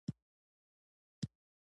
مرکب عبارت څو خیالونه لري.